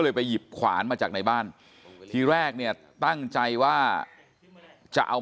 ไปหยิบขวานมาจากในบ้านทีแรกเนี่ยตั้งใจว่าจะเอามา